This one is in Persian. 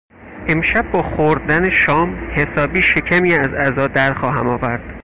امشب با خوردن شام حسابی شکمی از عزا درخواهم آورد.